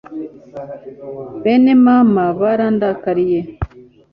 bene mama barandakariye